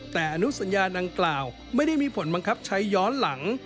แต่อนุสัญญาดังกล่าวไม่ได้มีผลบังคับใช้ย้อนหลัง